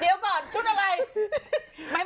เดี๋ยวก่อนชุดอะไร